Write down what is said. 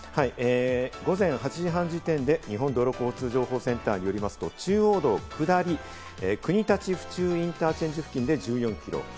午前８時半時点で日本道路交通情報センターによりますと、中央道下り、国立府中インターチェンジ付近で１４キロ。